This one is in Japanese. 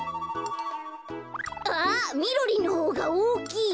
あっみろりんのほうがおおきい！